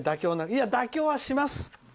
いや妥協はします！